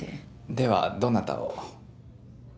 ではどなたを？